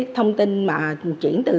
thông tin mà chuyển từ